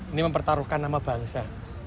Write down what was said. ini mempertaruhkan nama bangsa